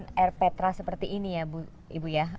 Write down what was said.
dengan membangun air petra seperti ini ya ibu ya